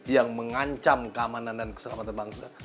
yang mengancam keamanan dan keselamatan bangsa